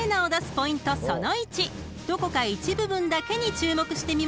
［どこか一部分だけに注目してみましょう］